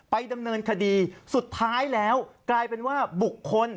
ดำเนินคดีสุดท้ายแล้วกลายเป็นว่าบุคคล